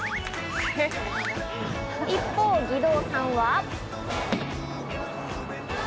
一方、義堂さんは。